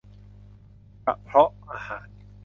กระเพาะอาหาร